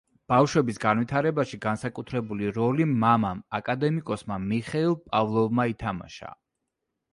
ბავშვების განვითარებაში განსაკუთრებული როლი მამამ, აკადემიკოსმა მიხეილ პავლოვმა ითამაშა.